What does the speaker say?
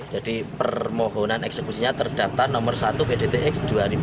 jadi permohonan eksekusinya terdapat nomor satu bdtx dua ribu tiga belas